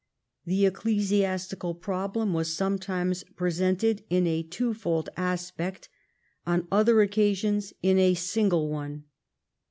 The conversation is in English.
The ecclesiastical problem was sometimes presented in a two fold aspect, on other occa sions in a single one.